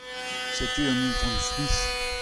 Setu an It. Smith.